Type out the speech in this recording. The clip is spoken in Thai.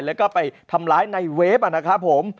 แล้วก็ไปทำร้ายในเวฟนะครับผม